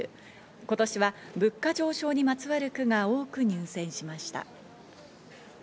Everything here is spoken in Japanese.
今年は物価上昇にまつわる句が多く入選しました。